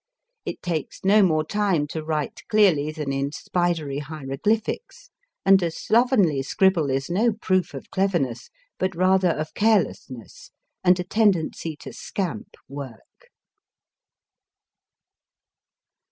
It takes no more time to write clearly than in spidery hieroglyphics, and a slovenly scribble is no proof of cleverness, but rather of carelessness and a tendency to scamp work.